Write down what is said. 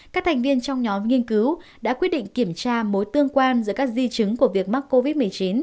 các thành viên trong nhóm nghiên cứu đã quyết định kiểm tra mối tương quan giữa các di chứng của việc mắc covid một mươi chín